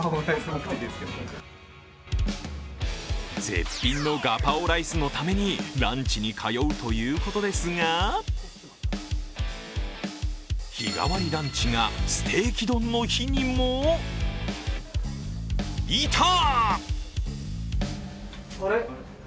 絶品のガパオライスのためにランチに通うということですが、日替わりランチがステーキ丼の日にもいた！